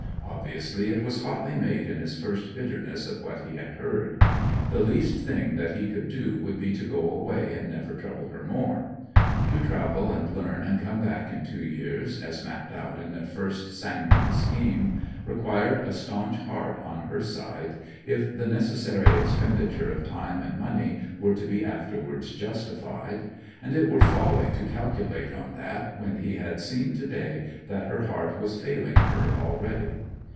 Obviously it was hotly made in his first bitterness at what he had heard. The least thing that he could do would be to go away and never trouble her more. To travel and learn and come back in two years, as mapped out in their first sanguine scheme, required a staunch heart on her side, if the necessary expenditure of time and money were to be afterwards justified; and it were folly to calculate on that when he had seen to day that her heart was failing her already.